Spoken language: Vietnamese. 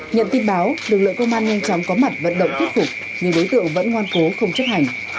nhận tin báo lực lượng công an nhanh chóng có mặt vận động thuyết phục nhưng đối tượng vẫn ngoan cố không chấp hành